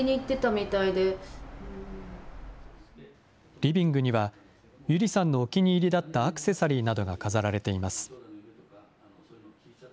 リビングには、友梨さんのお気に入りだったアクセサリーなどが飾られています。